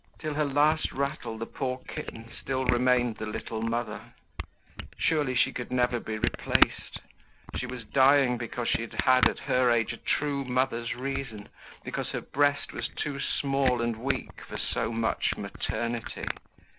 Till her last rattle, the poor kitten still remained the little mother. Surely she could never be replaced! She was dying because she had had, at her age, a true mother's reason, because her breast was too small and weak for so much maternity.